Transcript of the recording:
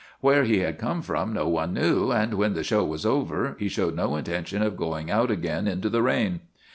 Where he had come from no one knew, and when the show was over he showed no inten tion of going out again into the rain.